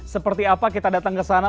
seperti apa kita datang kesana